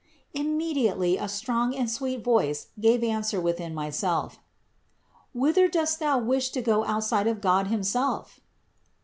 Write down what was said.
Immediately a strong and sweet voice gave answer within myself: "Whither dost thou wish to go outside of God himself?"